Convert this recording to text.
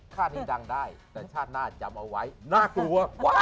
ท่านี้ดังได้แต่ชาติหน้าจำเอาไว้น่ากลัว